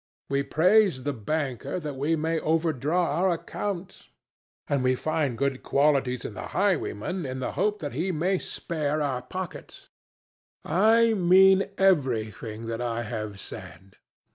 We praise the banker that we may overdraw our account, and find good qualities in the highwayman in the hope that he may spare our pockets. I mean everything that I have said.